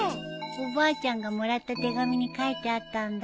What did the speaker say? おばあちゃんがもらった手紙に書いてあったんだ。